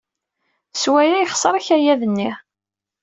S waya, yexṣer akayad-nni.